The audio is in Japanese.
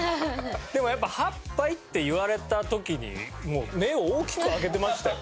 でもやっぱ８杯って言われた時にもう目を大きく開けてましたよ